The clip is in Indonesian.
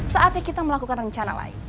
saatnya kita melakukan rencana lain